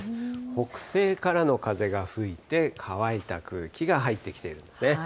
北西からの風が吹いて、乾いた空気が入ってきているんですね。